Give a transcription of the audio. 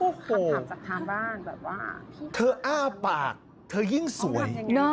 โอ้โฮเธออ้าปากเธอยิ่งสวย